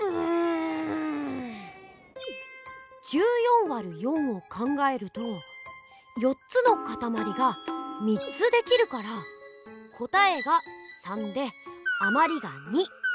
１４÷４を考えると４つのかたまりが３つできるから答えが３であまりが２。